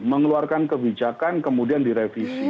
mengeluarkan kebijakan kemudian direvisi